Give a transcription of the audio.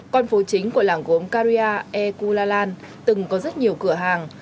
con phố chính của làng gốm caria ekulalan từng có rất nhiều cửa hàng